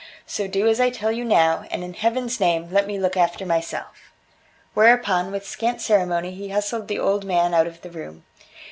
So do as I tell you now, and in Heaven's name let me look after myself." Whereupon, with scant ceremony, he hustled the old man out of the room.